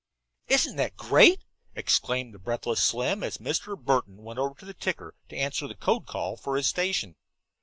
"Isn't that great?" exclaimed the breathless Slim, as Mr. Burton went over to the ticker to answer the code call for his station.